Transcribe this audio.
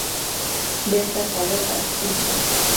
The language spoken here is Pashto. بیرته کابل ته ستون شو.